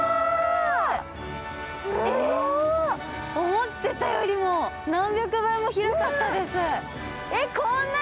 思ってたよりも何百倍も広かったです。